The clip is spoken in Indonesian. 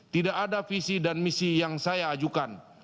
tidak ada visi dan misi yang saya ajukan